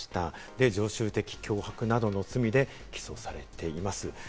で、常習的脅迫などの罪で起訴されています。